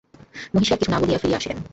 মহিষী আর কিছু না বলিয়া ফিরিয়া আসিলেন।